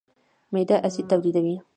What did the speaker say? معده اسید تولیدوي.